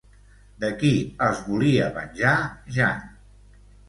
De qui es volia venjar Jan?